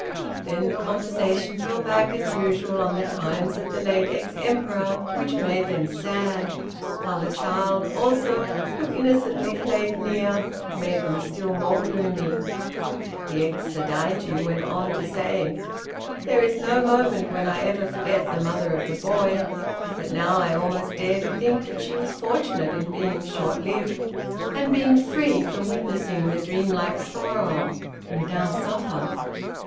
Then the conversation fell back, as usual, on the times of the late ex Emperor, which made them sad; while the child also, who innocently played near, made them still more gloomy. The ex Sadaijin went on to say: "There is no moment when I ever forget the mother of the boy, but now I almost dare to think that she was fortunate in being short lived, and being free from witnessing the dreamlike sorrow we now suffer.